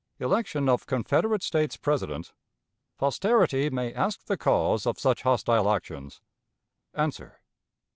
Election of Confederate States President. Posterity may ask the Cause of such Hostile Actions. Answer.